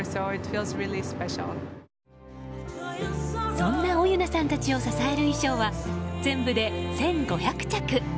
そんなオユナさんたちを支える衣装は全部で１５００着。